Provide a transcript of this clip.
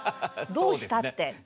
どうしたって。